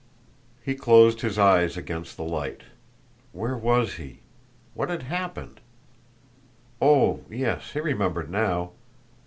He closed his eyes against the light. Where was he? What had happened? Oh, yes, he remembered now!